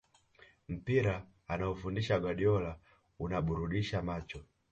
Mpira anaofundisha Guardiola unaburudisha macho